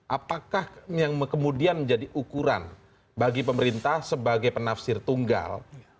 apakah yang kemudian menjadi ukuran bagi pemerintah sebagai penafsir tunggal